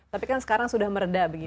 tapi kan sekarang sudah meredah